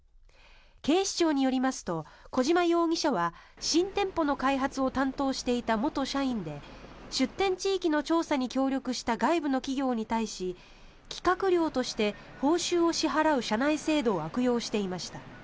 警視庁によりますと小島容疑者は新店舗の開発を担当していた元社員で出店地域の調査に協力した外部の企業に対し企画料として報酬を支払う社内制度を悪用していました。